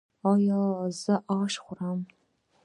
ایا زه اش وخورم؟